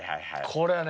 これね。